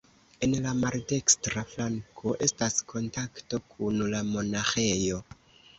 En la maldekstra flanko estas kontakto kun la monaĥejo.